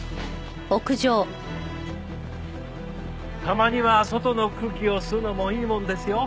たまには外の空気を吸うのもいいもんですよ。